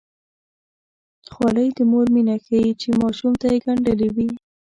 خولۍ د مور مینه ښيي چې ماشوم ته یې ګنډلې وي.